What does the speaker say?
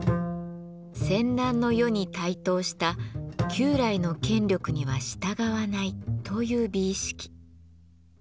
戦乱の世に台頭した旧来の権力には従わないという美意識。